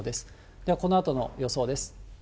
では、このあとの予想です。